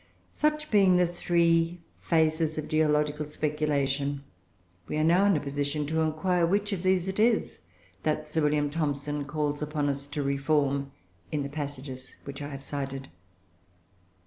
Such being the three phases of geological speculation, we are now in position to inquire which of these it is that Sir William Thomson calls upon us to reform in the passages which I have cited.